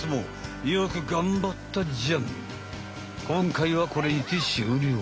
今回はこれにて終了。